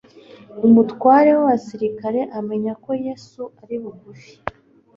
Umutware w'abasirikari amenya ko Yesu ari bugufi,